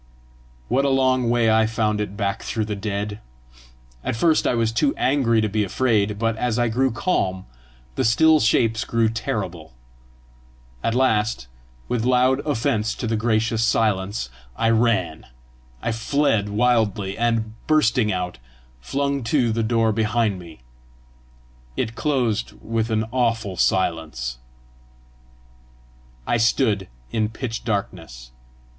What a long way I found it back through the dead! At first I was too angry to be afraid, but as I grew calm, the still shapes grew terrible. At last, with loud offence to the gracious silence, I ran, I fled wildly, and, bursting out, flung to the door behind me. It closed with an awful silence. I stood in pitch darkness.